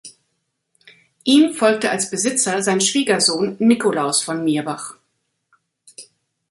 Ihm folgte als Besitzer sein Schwiegersohn Nikolaus von Mirbach.